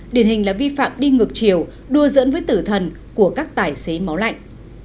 điển hình là vi phạm đi ngược chiều đua dẫn với tử thần của các tài xế máu lạnh